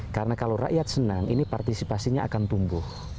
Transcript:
karena kalau rakyat senang ini partisipasinya akan tumbuh